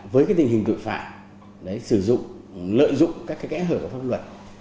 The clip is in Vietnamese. với tình hình tội phạm sử dụng lợi dụng các kẻ hợp pháp luật